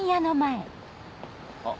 あっ。